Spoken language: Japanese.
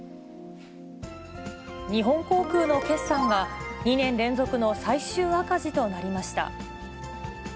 日本航空の決算が、２年連続の最終赤字となりました。